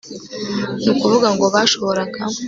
ni ukuvuga ngo bashoboraga